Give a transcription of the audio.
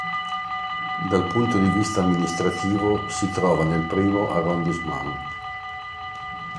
Dal punto di vista amministrativo si trova nel I° arrondissement.